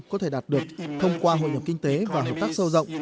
có thể đạt được thông qua hội nhập kinh tế và hợp tác sâu rộng